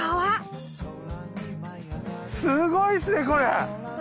すごいっすねこれ！